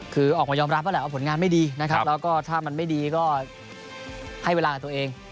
คือออกมายอมรับว่าผลงานไม่ดีแล้วก็ถ้ามันไม่ดีก็ให้เวลากับตัวเอง